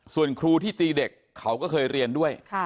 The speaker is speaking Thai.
ส่วนครูที่ตีเด็กเขาก็เคยเรียนด้วย